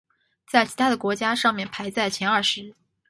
在其他的国家上面排在前二十。